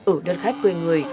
ở đất khách quê người